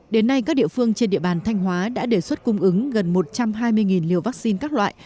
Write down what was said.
đến nay các địa phương trên địa bàn thanh hóa đã đề xuất cung ứng gần một trăm hai mươi liều vaccine các loại